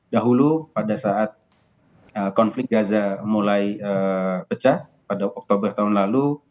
dahulu pada saat konflik gaza mulai pecah pada oktober tahun lalu